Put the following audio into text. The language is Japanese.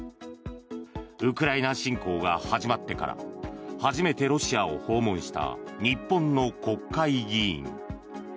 ウクライナ侵攻が始まってから初めてロシアを訪問した日本の国会議員。